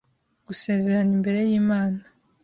Gusezerana imbere y’Imana